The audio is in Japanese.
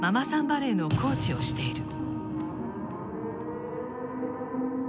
バレーのコーチをしている。